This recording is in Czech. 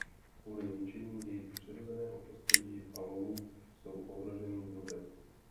Kvůli ničení jejich přirozeného prostředí a lovu jsou ohroženým druhem.